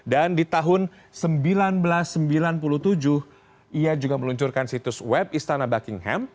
dan di tahun seribu sembilan ratus sembilan puluh tujuh ia juga meluncurkan situs web istana buckingham